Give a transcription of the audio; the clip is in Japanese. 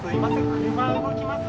車動きます！